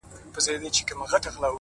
په خندا كيسه شروع كړه.!